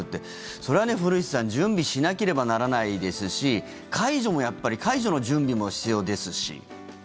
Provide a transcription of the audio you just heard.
それは古市さん準備しなければならないですし解除もやっぱり解除の準備も必要ですし。